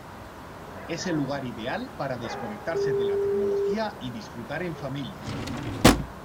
Es el lugar ideal para desconectarse de la tecnología y disfrutar en familia.